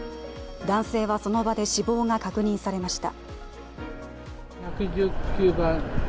男性はその場で死亡が確認されました。